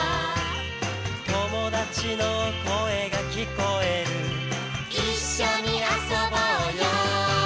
「友達の声が聞こえる」「一緒に遊ぼうよ」